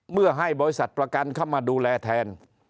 เมื่อให้บริษัทประกันเข้ามาดูแลแทน